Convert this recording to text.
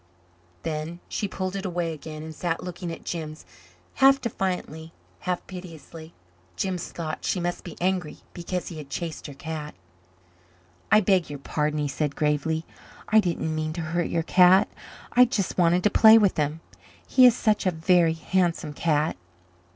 Then she pulled it away again and sat looking at Jims half defiantly, half piteously. Jims thought she must be angry because he had chased her cat. "I beg your pardon," he said gravely, "I didn't mean to hurt your cat. I just wanted to play with him. He is such a very handsome cat."